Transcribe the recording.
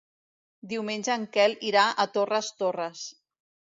Diumenge en Quel irà a Torres Torres.